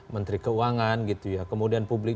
menteri keuangan gitu ya kemudian publik